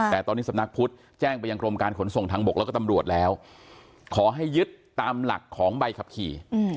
แต่ตอนนี้สำนักพุทธแจ้งไปยังกรมการขนส่งทางบกแล้วก็ตำรวจแล้วขอให้ยึดตามหลักของใบขับขี่